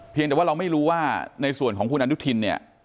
แต่ว่าเราไม่รู้ว่าในส่วนของคุณอนุทินเนี่ย